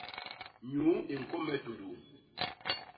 Nyuu i ñkwo me tuduu.